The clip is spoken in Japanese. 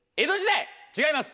違います。